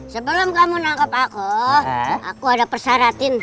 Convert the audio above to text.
sebelum kamu nangkep aku aku ada persaratin